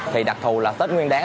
thì đặc thù là tết nguyên đán